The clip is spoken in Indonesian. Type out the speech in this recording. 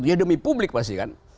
ya demi publik pasti kan